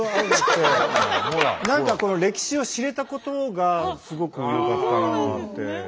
何かこの歴史を知れたことがすごくよかったなって。